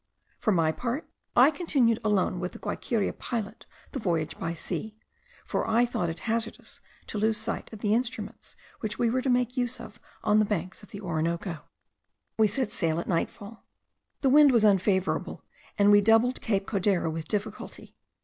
For my part, I continued alone with the Guaiqueria pilot the voyage by sea; for I thought it hazardous to lose sight of the instruments which we were to make use of on the banks of the Orinoco. We set sail at night fall. The wind was unfavourable, and we doubled Cape Codera with difficulty.